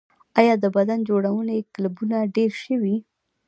آیا د بدن جوړونې کلبونه ډیر شوي؟